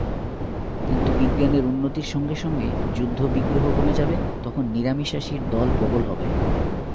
কিন্তু বিজ্ঞানের উন্নতির সঙ্গে সঙ্গে যুদ্ধবিগ্রহ কমে যাবে, তখন নিরামিষাশীর দল প্রবল হবে।